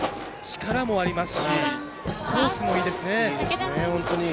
力もありますしコースもいいですね。